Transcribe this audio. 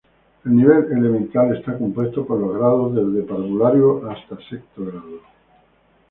El nivel Elemental está compuesto por los grados desde parvulario hasta sexto grado.